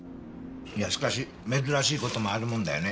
いやしかし珍しい事もあるもんだよね。